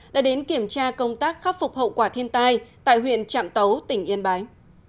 đã đến kiểm tra công tác khắc phục hậu quả thiên tai tại huyện trạm tấu tỉnh yên bái